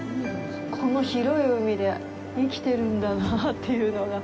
この広い海で生きてるんだなっていうのが。